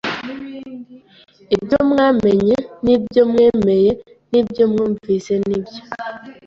Ibyo mwamenye n ibyo mwemeye n ibyo mwumvise n ibyo